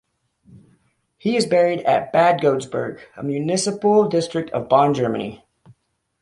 He is buried at Bad Godesberg, a municipal district of Bonn, Germany.